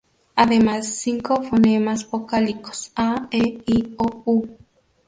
Además cinco fonemas vocálicos: a, e, i, o, u.